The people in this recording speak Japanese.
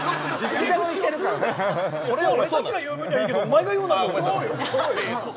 俺たちが言う分にはいいけどお前が言うなと。